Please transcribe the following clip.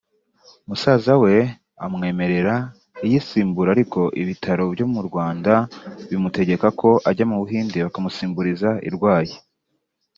musaza we amwemerera iyisimbura ariko ibitaro byo mu Rwanda bimutegeka ko ajya mu Buhinde bakamusimburiza irwaye